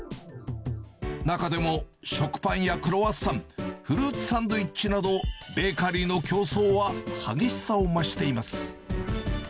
中でも食パンやクロワッサン、フルーツサンドイッチなど、ベーカリーの競争は激しさを増しています。